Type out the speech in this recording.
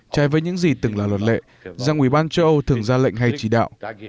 trái với những gì từng là luật lệ rằng ủy ban châu âu thường ra lệnh hay chỉ đạo